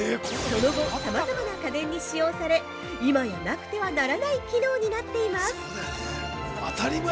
その後、さまざま家電に使用され今やなくてはならない機能になっています。